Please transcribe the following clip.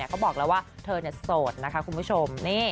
เขาบอกแล้วว่าเธอโสดนะคะคุณผู้ชม